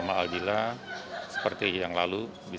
cuma untuk memberikan appelan kepadanya dan ini terima kasih